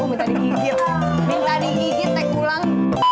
oh minta digigil minta digigil take ulang